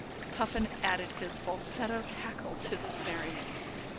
Puffin added his falsetto cackle to this merriment.